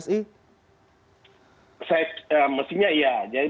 jadi pak hairy kunardi di sana pak syakir jadi